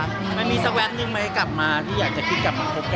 ไม่มีสวัสดิ์หนึ่งไหมกลับมาที่อยากจะคิดกลับมาพบกัน